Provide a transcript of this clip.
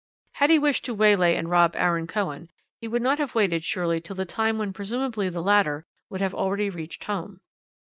Had he wished to waylay and rob Aaron Cohen he would not have waited surely till the time when presumably the latter would already have reached home.